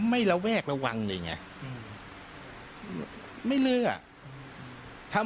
ไม่แร้วแวกระวังเลยไงอืม